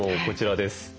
こちらです。